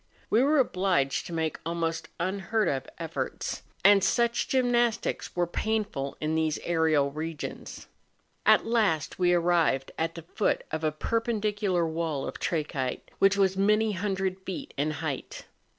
We were obliged to make almost unheard of efforts, and such gymnastics are painful in these aerial regions. At last we arrived, at the foot of a perpendicular wall of trachyte which was many hundred feet in height.